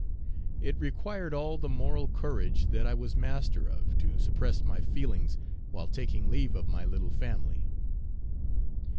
It required all the moral courage that I was master of to suppress my feelings while taking leave of my little family.